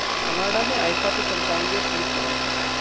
Canada में IIFA को चमकाएंगे ‘तीसमारखां’